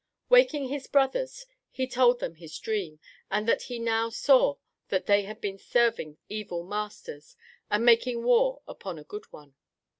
Waking his brothers, he told them his dream, and that he now saw that they had been serving evil masters and making war upon a good one.